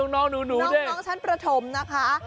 น้องชั้นประธมนะคะ